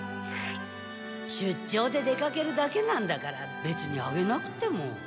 しゅっちょうで出かけるだけなんだからべつにあげなくても。